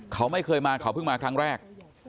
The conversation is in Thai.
เขาไม่เคยมาเขาเพิ่งมาครั้งแรก